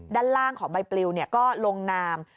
ด้านล่างของใบปลิวก็ลงนาม